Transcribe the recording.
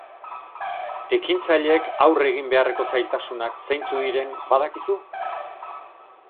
Ekintzaileek aurre egin beharreko zailtasunak zeintzuk diren badakizu?